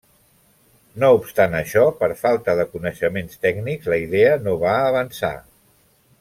No obstant això, per falta de coneixements tècnics la idea no va avançar.